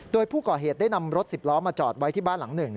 โดยผู้ก่อเหตุได้นำรถ๑๐ล้อมาจอดไว้ที่บ้านหลังหนึ่ง